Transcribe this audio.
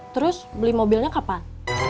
terus beli mobilnya kapan